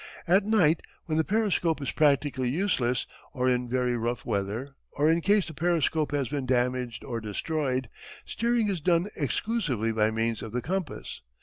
At night when the periscope is practically useless or in very rough weather, or in case the periscope has been damaged or destroyed, steering is done exclusively by means of the compass.